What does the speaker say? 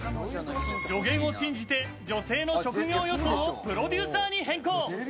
助言を信じて、女性の職業予想をプロデューサーに変更。